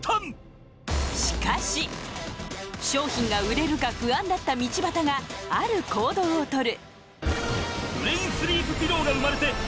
商品が売れるか不安だった道端がある行動をとる。